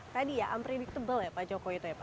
tadi ya unpredictable ya pak jokowi itu ya pak